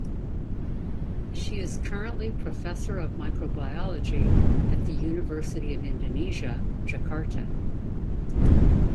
She is currently professor of microbiology at the University of Indonesia, Jakarta.